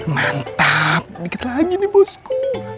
mantap dikit lagi nih busku